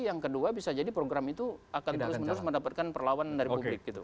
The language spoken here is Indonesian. yang kedua bisa jadi program itu akan terus menerus mendapatkan perlawanan dari publik gitu